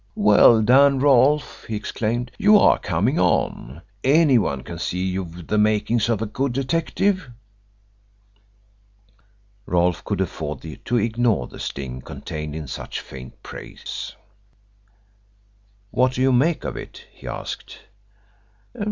"Well done, Rolfe!" he exclaimed. "You are coming on. Anyone can see that you've the makings of a good detective." Rolfe could afford to ignore the sting contained in such faint praise. "What do you make of it?" he asked.